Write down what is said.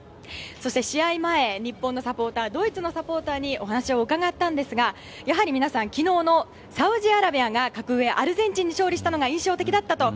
そして試合前、日本のサポータードイツのサポーターにお話を伺ったんですがやはり皆さん昨日のサウジアラビアが格上アルゼンチンに勝利したのが印象的だったと。